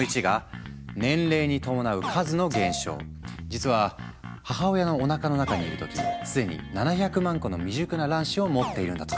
実は母親のおなかの中にいる時既に７００万個の未熟な卵子を持っているんだとか。